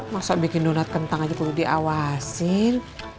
masa bikin donat kentang aja perlu diawasin